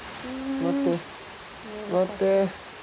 待って待って。